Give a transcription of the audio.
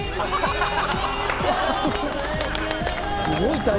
すごい。